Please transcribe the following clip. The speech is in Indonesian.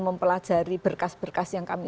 mempelajari berkas berkas yang kami